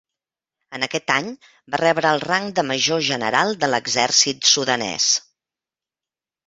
En aquest any va rebre el rang de major general de l'exèrcit sudanès.